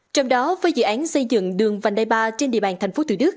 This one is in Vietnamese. trong đó với dự án xây dựng đường vành đai ba trên địa bàn tp hcm